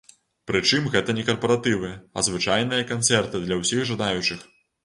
Прычым гэта не карпаратывы, а звычайныя канцэрты для ўсіх жадаючых.